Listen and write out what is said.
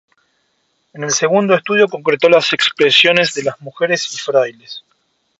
En el segundo estudio concretó las expresiones de las mujeres y frailes.